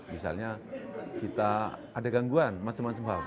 misalnya kita ada gangguan macem macem hal